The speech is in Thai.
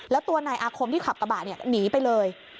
แล้วตัวนายอาคมที่ขับกระบะเนี่ยหนีไปเลย